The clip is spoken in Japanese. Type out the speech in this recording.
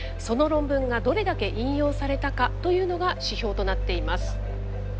その論文がどれだけ引用されたかというのが指標となっています。